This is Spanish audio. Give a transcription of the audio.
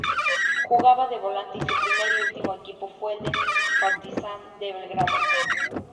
Jugaba de volante y su primer y último equipo fue el Partizán de Belgrado.